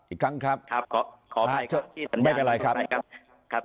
อีกครั้งครับครับขออภัยครับไม่เป็นไรครับนะครับ